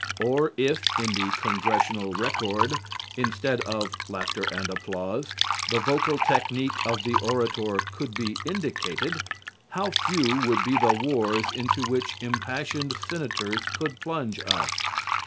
Or if, in the Congressional Record, instead of (laughter and applause) the vocal technique of the orator could be indicated, how few would be the wars into which impassioned Senators could plunge us!